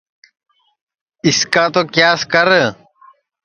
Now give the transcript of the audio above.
کِس کا تو کیاس کر